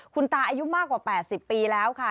คุณตาอายุมากกว่า๘๐ปีแล้วค่ะ